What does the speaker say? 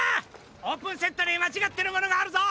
オープンセットにまちがってるものがあるぞ！